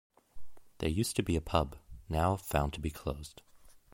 There used to be a pub, now found to be closed.